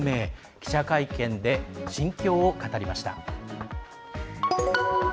記者会見で心境を語りました。